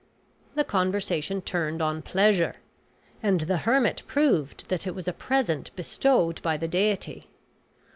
The conversation turned on pleasure; and the hermit proved that it was a present bestowed by the deity.